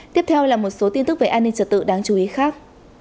tiếp theo là một số tin tức về an ninh trật tự đáng chú ý khác